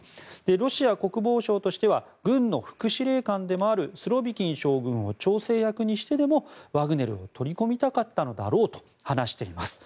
ロシア国防省としては軍の副司令官でもあるスロビキン将軍を調整役にしてでもワグネルを取り込みたかったのだろうと話しています。